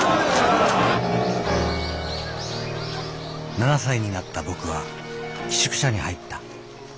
７歳になった僕は寄宿舎に入った。